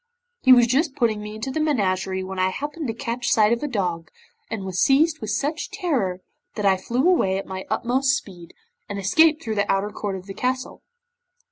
He was just putting me into the menagerie when I happened to catch sight of a dog, and was seized with such terror that I fled away at my utmost speed, and escaped through the outer court of the castle.